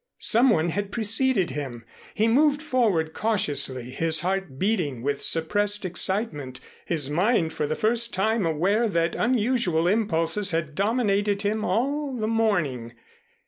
Some one had preceded him. He moved forward cautiously, his heart beating with suppressed excitement, his mind for the first time aware that unusual impulses had dominated him all the morning.